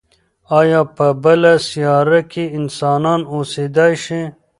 ایا په بله سیاره کې انسانان اوسېدای شي؟